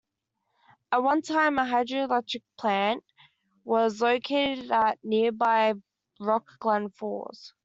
At one time, a hydroelectric plant was located at nearby Rock Glen Falls.